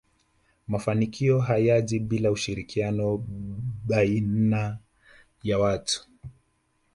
mafanikio hayaji bila ushirikiano baiana ya watu